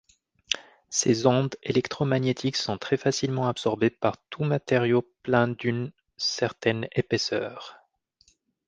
Ces ondes électromagnétiques sont très facilement absorbées par tout matériau plein d'une certaine épaisseur.